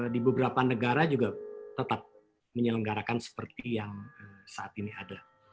di beberapa negara juga tetap menyelenggarakan seperti yang saat ini ada